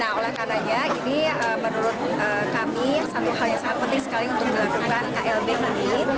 nah oleh karenanya ini menurut kami satu hal yang sangat penting sekali untuk dilakukan klb ini